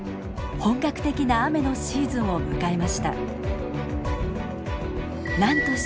本格的な雨のシーズンを迎えました。